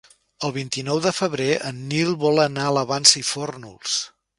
El vint-i-nou de febrer en Nil vol anar a la Vansa i Fórnols.